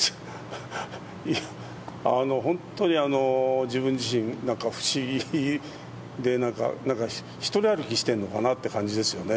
いや、本当に自分自身、なんか不思議で、なんか一人歩きしてるのかなって感じですよね。